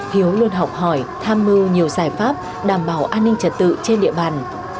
hiếu luôn học hỏi tham mưu nhiều giải pháp đảm bảo an ninh trật tự trên địa bàn